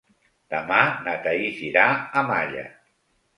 Demà na Thaís irà a Malla.